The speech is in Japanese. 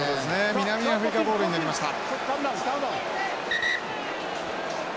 南アフリカボールになりました。